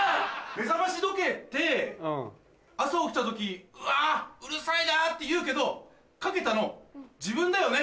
目覚まし時計って朝起きた時「うわぁうるさいな！」って言うけどかけたの自分だよね。